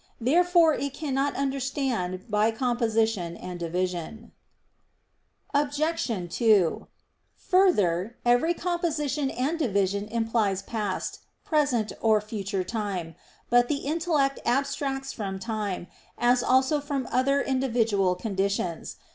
Therefore it cannot understand by composition and division. Obj. 2: Further, every composition and division implies past, present, or future time. But the intellect abstracts from time, as also from other individual conditions.